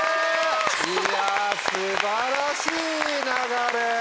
いや素晴らしい流れ！